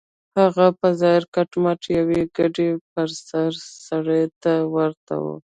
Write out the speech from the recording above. هغه په ظاهره کټ مټ يوې کډې پر سر سړي ته ورته و.